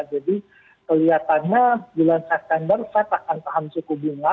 jadi kelihatannya bulan september fed akan tahan suku bunga